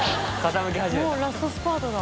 もうラストスパートだ。